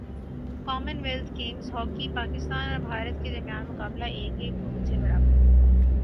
common wealth games hockey Pakistan اور بھارت کے درمیان مقابلہ ایک ایک گول سے برابر